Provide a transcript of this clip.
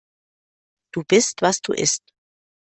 Du bist, was du isst.